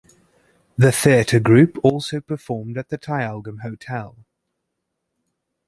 The Theatre Group also performed at the Tyalgum Hotel.